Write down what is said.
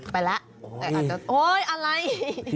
ไปและแบบแต่อาจจะโอ้ยอะไร